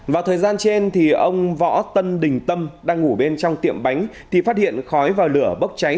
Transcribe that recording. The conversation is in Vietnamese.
vào thời gian trên thì ông võ tân đình tâm đang ngủ bên trong tiệm bánh thì phát hiện khói và lửa bốc cháy